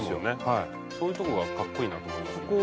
そういうとこがかっこいいなと思いますね。